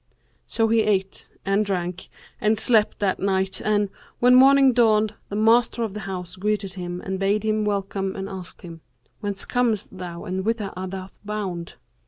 '[FN#543] So he ate and drank and slept that night and, when morning dawned, the master of the house greeted him and bade him welcome and asked him, 'Whence comest thou and whither art thou bound?'